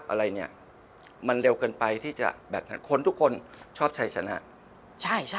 อะไรเนี่ยมันเร็วเกินไปที่จะแบบนั้นคนทุกคนชอบใช้ชนะใช่ใช่